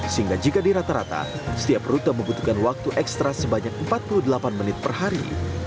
sehingga jika di rata rata setiap rute membutuhkan waktu ekstra sebanyak empat puluh delapan menit per hari